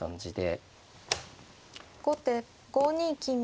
後手５二金右。